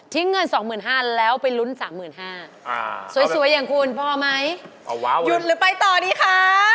ทิ้งเงินสองหมื่นห้าแล้วไปลุ้นสามหมื่นห้าอ่าสวยสวยอย่างคุณพอไหมเอาว้าวเลยหยุดหรือไปต่อดีคะ